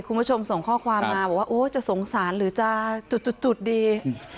คุณผู้ชมส่งข้อความมาบอกว่าโอ้จะสงสารหรือจะจุดดี